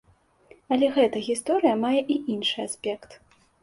Але гэта гісторыя мае і іншы аспект.